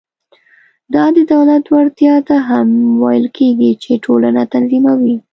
دا د دولت وړتیا ته هم ویل کېږي چې ټولنه تنظیموي.